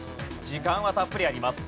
時間はたっぷりあります。